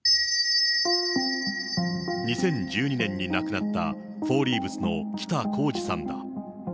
２０１２年に亡くなった、フォーリーブスの北公次さんだ。